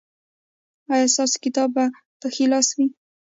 ایا ستاسو کتاب به په ښي لاس وي؟